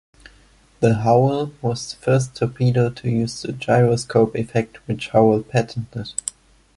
The Howell was the first torpedo to use the gyroscope effect, which Howell patented.